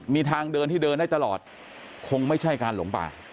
มีทางเดินที่เดินได้ตลอดคงไม่ใช่การหลงป่า